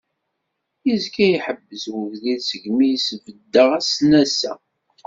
Yezga iḥebbes wegdil segmi i sbeddeɣ asnas-a.